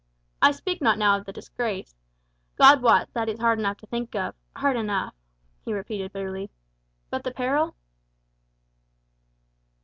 I speak not now of the disgrace God wot that is hard enough to think of hard enough," he repeated bitterly. "But the peril?"